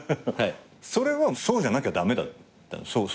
それはそうじゃなきゃ駄目だった？